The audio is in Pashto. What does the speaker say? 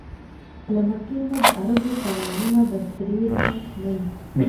له مکې نه د عربو کاروانونه بصرې ته تلل.